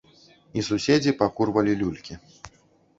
І суседзі пакурвалі люлькі.